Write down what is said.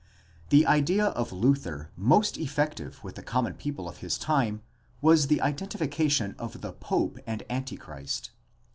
— The idea of Luther most effective with the common people of his time was his identification of the Pope and Antichrist.